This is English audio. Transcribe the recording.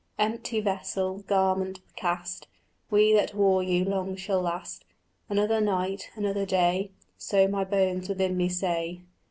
"Empty vessel, garment cast, We that wore you long shall last. Another night, another day." So my bones within me say.